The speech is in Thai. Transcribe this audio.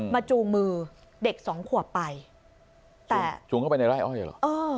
มาจูงมือเด็ก๒ขวบไปจูงเข้าไปในไร้อ้อยหรอ